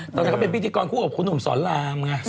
ตอนนั้นก็เป็นพิธีกรคู่กับคุณหนุ่มสอนรามไง